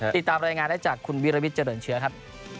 ติดตามรายงานได้จากคุณวิรวิทย์เจริญเชื้อครับ